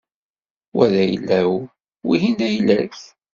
Wa d ayla-w, wihin d ayla-k.